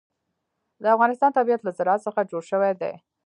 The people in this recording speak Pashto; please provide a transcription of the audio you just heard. د افغانستان طبیعت له زراعت څخه جوړ شوی دی.